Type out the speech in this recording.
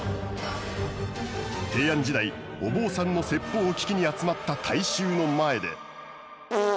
平安時代お坊さんの説法を聞きに集まった大衆の前で。